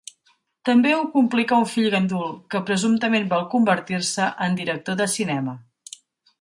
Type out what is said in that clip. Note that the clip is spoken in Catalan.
També ho complica un fill gandul, que presumptament vol convertir-se en director de cinema.